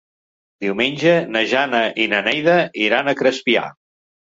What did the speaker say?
Diumenge na Jana i na Neida iran a Crespià.